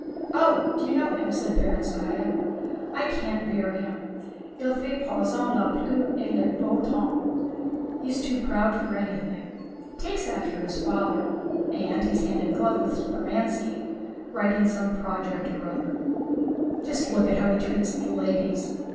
"Oh, you know him?" said Perónskaya. "I can't bear him. Il fait à présent la pluie et le beau temps. * He's too proud for anything. Takes after his father. And he's hand in glove with Speránski, writing some project or other. Just look how he treats the ladies!